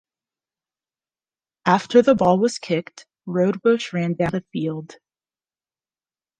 After the ball was kicked, Roudebush ran down the field.